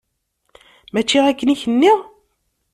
Mačči akken i k-nniɣ?